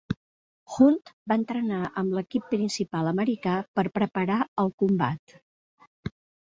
Hunt va entrenar amb l'equip principal americà per preparar el combat.